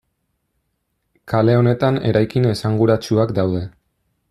Kale honetan eraikin esanguratsuak daude.